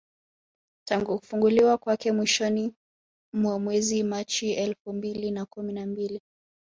Tangu kufunguliwa kwake mwishoni mwa mwezi Machi elfu mbili na kumi na mbili